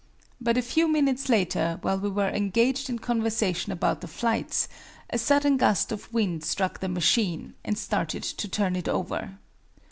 But a few minutes later, while we were engaged in conversation about the flights, a sudden gust of wind struck the machine, and started to turn it over.